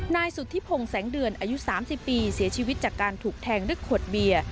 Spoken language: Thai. นายสุธิพงศ์แสงเดือนอายุ๓๐ปีเสียชีวิตจากการถูกแทงด้วยขวดเบียร์